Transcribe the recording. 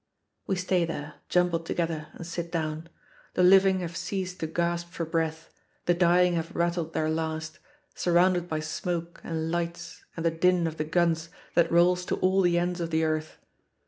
We stay there, jumbled together, and sit down. The living have ceased to gasp for breath, the dying have rattled their last, surrounded by smoke and lights and the din of the guns that rolls to all the ends of the earth.